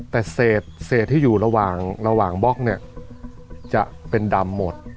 แต่เศษที่อยู่ระหว่างระหว่างบล็อกเนี่ยจะเป็นดำหมด